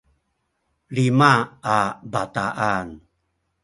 lima a bataan